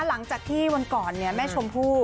หลังจากที่วันก่อนเนี่ยแม่ชมพู้